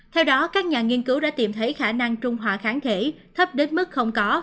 theo đó các nhà nghiên cứu đã tìm thấy khả năng trung hòa kháng thể thấp đến mức không có